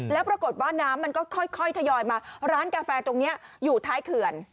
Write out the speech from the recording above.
แล้วปรากฏว่าน้ำมันก็ค่อยทยอยมาร้านกาแฟตรงนี้อยู่ท้ายเขื่อน